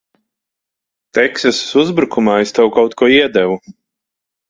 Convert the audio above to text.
Teksasas uzbrukumā es tev kaut ko iedevu.